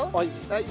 はい。